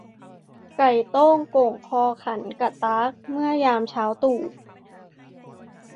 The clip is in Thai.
ไก่โต้งโก่งคอขันกะต๊าก เมื่อยามเช้าตรู่